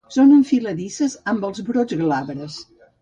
Són enfiladisses amb els brots glabres.